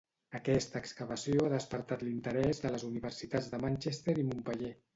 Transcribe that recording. Aquesta excavació ha despertat l'interès de les universitats de Manchester i Montpeller.